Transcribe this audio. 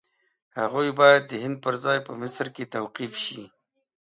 هغوی باید د هند پر ځای په مصر کې توقیف شي.